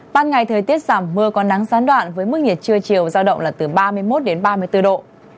ban ngày thời tiết giảm mưa còn nắng gián đoạn với mức nhiệt trưa chiều giao động là từ ba mươi một ba mươi bốn độ